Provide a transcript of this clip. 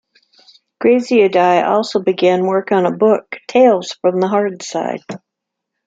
Graziadei also began work on a book, Tales From The Hardside.